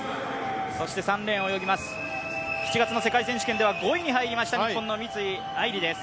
３レーンを泳ぎます、７月の世界選手権では５位に入りました日本の三井愛梨です。